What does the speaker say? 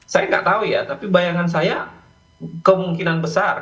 saya nggak tahu ya tapi bayangan saya kemungkinan besar